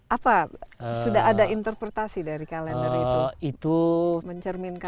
apa sudah ada interpretasi dari kalender itu